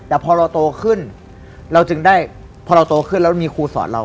แต่พอเราโตขึ้นเราจึงได้พอเราโตขึ้นแล้วมีครูสอนเรา